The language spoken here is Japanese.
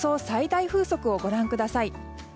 最大風速をご覧ください。